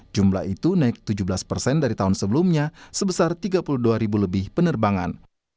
jumlah itu naik tujuh belas persen dari tahun sebelumnya sebesar tiga puluh dua ribu lebih penerbangan